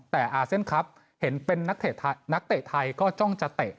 แฟนจากเจลีกส์เป็นนักเตะไทยก็บระโยชน์จะเตะ